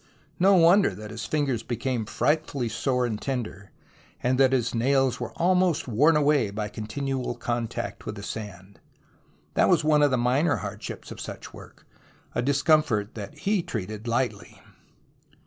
No wonder that his fingers became frightfully sore and tender, that his nails were almost worn away by continual contact with the sand. That was one of the minor hardships of such work, a discomfort that he treated Ughtly.